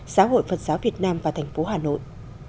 giáo hội phật giáo việt nam và thành phố hà nội